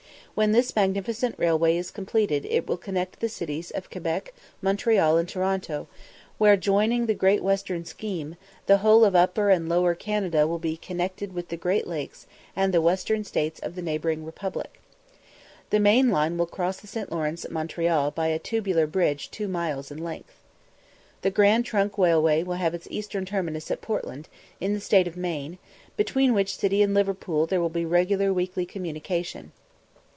When this magnificent railway is completed it will connect the cities of Quebec, Montreal, and Toronto, where, joining the Great Western scheme, the whole of Upper and Lower Canada will be connected with the great lakes and the western States of the neighbouring republic. The main line will cross the St. Lawrence at Montreal by a tubular bridge two miles in length. The Grand Trunk Railway will have its eastern terminus at Portland, in the State of Maine, between which city and Liverpool there will be regular weekly communication.